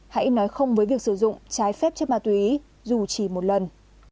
hãy nói không với việc sử dụng trái phép chất ma túy dù chỉ một lần